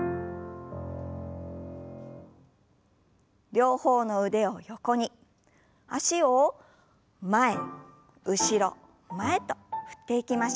両方の腕を横に脚を前後ろ前と振っていきましょう。